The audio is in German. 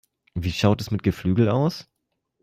Wie schaut es mit Geflügel aus?